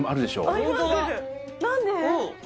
何で？